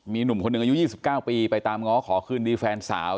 มีหนุ่มคนหนึ่งอายุ๒๙ปีไปตามง้อขอคืนดีแฟนสาว